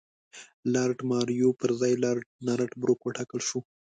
لارډ مایو پر ځای لارډ نارت بروک وټاکل شو.